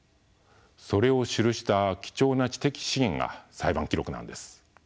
それを記した貴重な知的資源が裁判記録なんです。